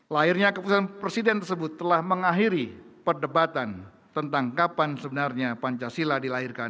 lahirnya keputusan presiden tersebut telah mengakhiri perdebatan tentang kapan sebenarnya pancasila dilahirkan